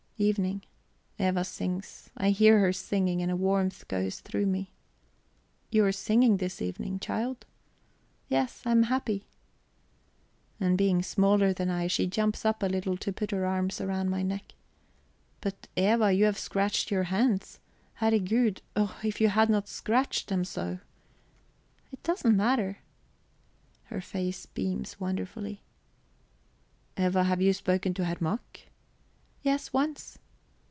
Evening. Eva sings, I hear her singing, and a warmth goes through me. "You are singing this evening, child?" "Yes, I am happy." And being smaller than I, she jumps up a little to put her arms round my neck. "But, Eva, you have scratched your hands. Herregud! oh, if you had not scratched them so!" "It doesn't matter." Her face beams wonderfully. "Eva, have you spoken to Herr Mack?" "Yes, once."